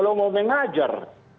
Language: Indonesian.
kalau mau mengajar